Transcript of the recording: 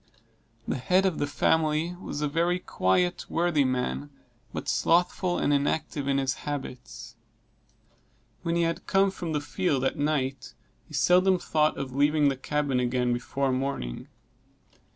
The head of the family was a very quiet, worthy man; but slothful and inactive in his habits. When he had come from the field at night, he seldom thought of leaving the cabin again before morning.